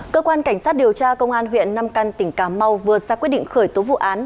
cơ quan cảnh sát điều tra công an huyện nam căn tỉnh cà mau vừa ra quyết định khởi tố vụ án